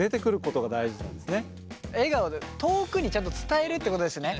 笑顔で遠くにちゃんと伝えるってことですね。